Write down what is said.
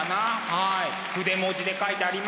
はい。